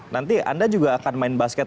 nanti anda juga akan main basket